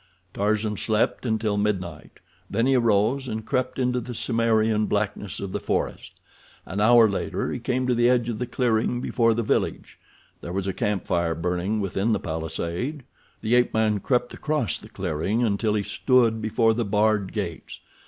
Tarzan slept until midnight, then he arose and crept into the Cimmerian blackness of the forest. An hour later he came to the edge of the clearing before the village. There was a camp fire burning within the palisade. The ape man crept across the clearing until he stood before the barred gates.